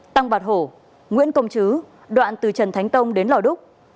tăng bạc hổ nguyễn công chứ đoạn từ trần thánh tông đến lò đúc